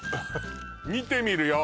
見てみるよ